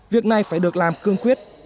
việc này phải được làm cương quyết